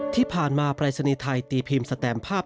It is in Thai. ที่ผ่านมาปรายศนีย์ไทยตีพิมพ์สแตมภาพ